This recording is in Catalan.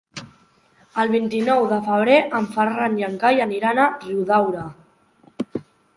El vint-i-nou de febrer en Ferran i en Cai aniran a Riudaura.